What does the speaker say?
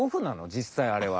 実際あれは。